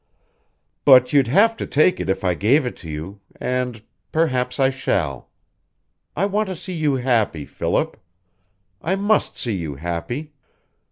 "But you'd have to take it if I gave it to you, and perhaps I shall. I want to see you happy, Philip; I must see you happy.